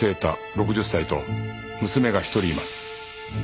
６０歳と娘が一人います。